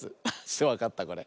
わかったこれ？